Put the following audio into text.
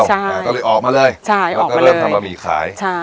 ใช่ก็เลยออกมาเลยใช่แล้วก็เริ่มทำบะหมี่ขายใช่